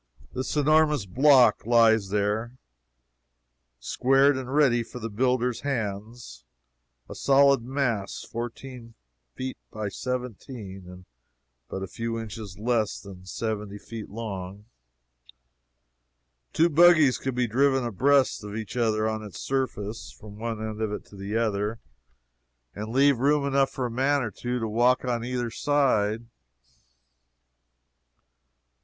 This enormous block lies there, squared and ready for the builders' hands a solid mass fourteen feet by seventeen, and but a few inches less than seventy feet long! Two buggies could be driven abreast of each other, on its surface, from one end of it to the other, and leave room enough for a man or two to walk on either side.